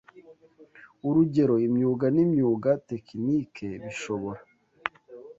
urugero imyuga n'imyuga tekinike bishobora